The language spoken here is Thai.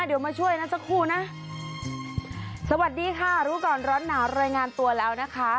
เดี๋ยวมาช่วยนะสักครู่นะสวัสดีค่ะรู้ก่อนร้อนหนาวรายงานตัวแล้วนะคะ